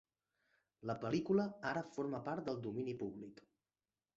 La pel·lícula ara forma part del domini públic.